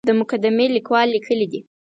د مقدمې لیکوال لیکلي دي.